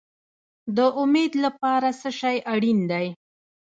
د امید لپاره څه شی اړین دی؟